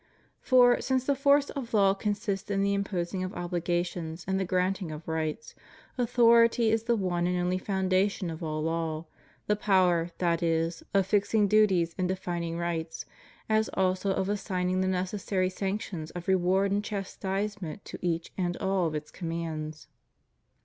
For, since the force of law consists in the imposing of obligations and the granting of rights, authority is the one and only foundation of all law — the power, that is, of fixing duties and defining rights, as also of assigning the necessary sanctions of reward and chastisement to each and all of its commands.